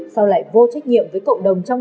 sau lại vô trọng